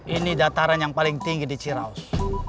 ini dataran yang paling tinggi di ciraus